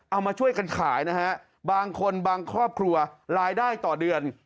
เอามาช่วยกันขายนะฮะบางคนบางครอบครัวรายได้ต่อเดือน